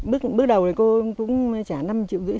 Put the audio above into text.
bước đầu thì cô cũng trả năm triệu rưỡi